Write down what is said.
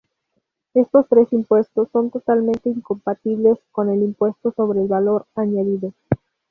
Estos tres impuestos son totalmente incompatibles con el Impuesto sobre el valor añadido.